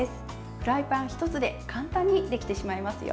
フライパン１つで簡単にできてしまいますよ。